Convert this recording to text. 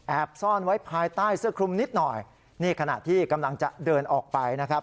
ซ่อนไว้ภายใต้เสื้อคลุมนิดหน่อยนี่ขณะที่กำลังจะเดินออกไปนะครับ